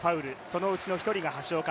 そのうちの１人が橋岡。